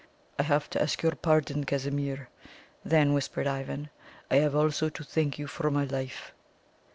"I have to ask your pardon, Casimir," then whispered Ivan. "I have also to thank you for my life."